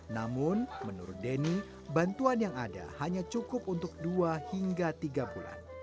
namun menurut denny bantuan yang ada hanya cukup untuk dua hingga tiga bulan